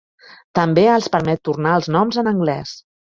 També els permet tornar als noms en anglès.